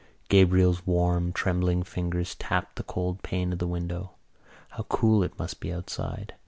Gabriel's warm trembling fingers tapped the cold pane of the window. How cool it must be outside!